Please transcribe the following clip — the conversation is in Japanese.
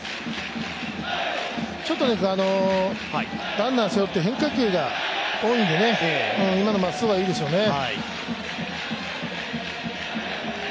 ランナー背負って変化球が多いんで今のまっすぐがいいでしょうね。